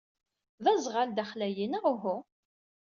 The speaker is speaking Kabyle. D aẓɣal daxel-ayyi, neɣ uhu?